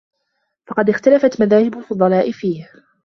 فَقَدْ اخْتَلَفَتْ مَذَاهِبُ الْفُضَلَاءِ فِيهِ